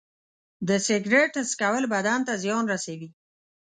د سګرټ څکول بدن زیان رسوي.